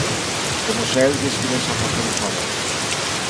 Como se el lle estivese a facer un favor.